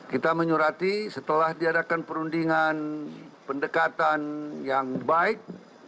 kita menyurati setelah diadakan perundingan pendekatan yang baik